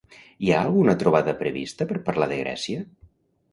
Hi ha alguna trobada prevista per parlar de Grècia?